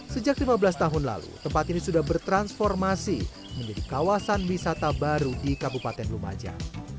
sejak lima belas tahun lalu tempat ini sudah bertransformasi menjadi kawasan wisata baru di kabupaten lumajang